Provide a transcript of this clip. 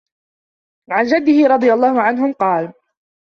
عَنْ جَدِّهِ رَضِيَ اللَّهُ عَنْهُمْ قَالَ